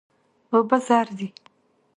اوبه زر دي.